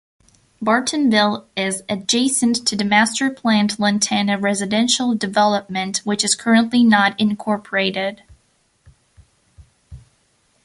Bartonville is adjacent to the master-planned Lantana residential development, which is currently not incorporated.